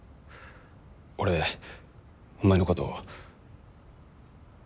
俺お前のこと。